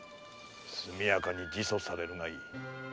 速やかに自訴されるがいい。